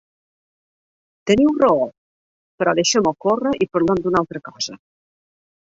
Teniu raó; però deixem-ho córrer i parlem d'una altra cosa.